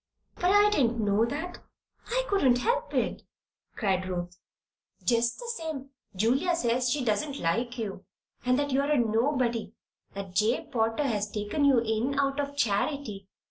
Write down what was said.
"But I didn't know that. I couldn't help it," cried Ruth. "Just the same, Julia says she doesn't like you and that you're a nobody that Jabe Potter has taken you in out of charity.